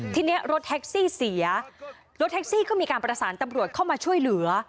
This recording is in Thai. ทีนี้รถแท็กซี่เสียรถแท็กซี่ก็มีการประสานตำรวจเข้ามาช่วยเหลือ